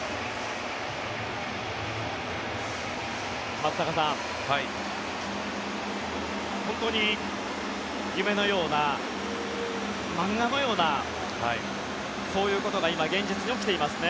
松坂さん、本当に夢のような漫画のようなそういうことが今、現実に起きていますね。